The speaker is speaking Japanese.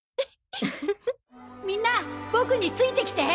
みんなボクについてきて。